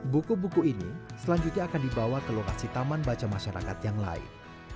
buku buku ini selanjutnya akan dibawa ke lokasi taman baca masyarakat yang lain